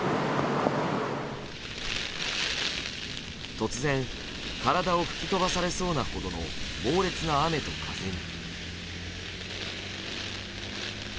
突然体を吹き飛ばされそうなほどの猛烈な雨と風に。